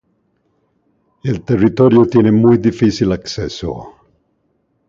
El territorio tiene muy difícil acceso.